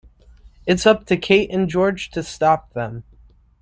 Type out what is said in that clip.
It's up to Kate and George to stop them.